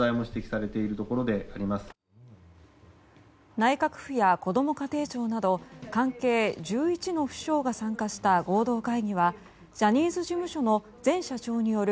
内閣府やこども家庭庁など関係１１の府省が参加した合同会議はジャニーズ事務所の前社長による